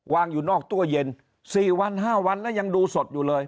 อยู่นอกตู้เย็น๔วัน๕วันแล้วยังดูสดอยู่เลย